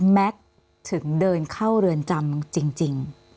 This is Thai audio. แม็กซ์ถึงเดินเข้าเรือนจำจริง